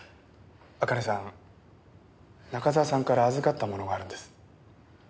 茜さん中沢さんから預かったものがあるんです。